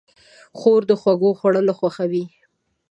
خور د خوږو خوړل خوښوي.